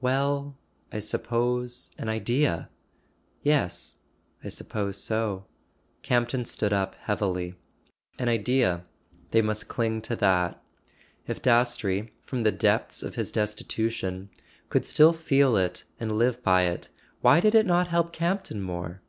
"Well—I suppose, an Idea." "Yes. I suppose so." Campton stood up heavily. An Idea: they must cling to that. If Dastrey, from the depths of his destitution, could still feel it and live by it, why did it not help Campton more?